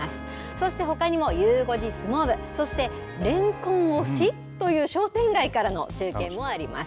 そして、ほかにも、ゆう５時相撲部、そしてレンコン推しという商店街からの中継もあります。